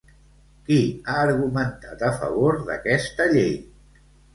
Qui ha argumentat a favor d'aquesta llei?